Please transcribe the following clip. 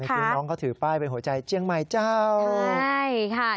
เมื่อกี๊น้องก็ถือไปมันแฮะหัวใจเจี๊ยงใหม่เจ้าใช่ค่ะ